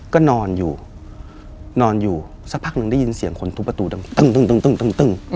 ก็นอนอยู่นอนอยู่สักพักหนึ่งได้ยินเสียงคนทุบประตูดึงตึ้ง